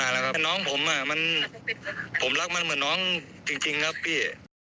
หลายแล้วครับน้องผมอ่ะมันผมรักมันเหมือนน้องจริงจริงครับพี่